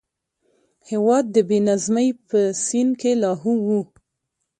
هېواد د بې نظمۍ په سین کې لاهو و.